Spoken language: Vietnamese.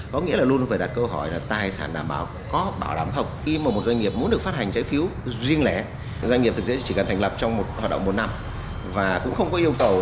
có nghĩa là luôn phải đặt câu hỏi là tài sản đảm bảo có bảo đảm học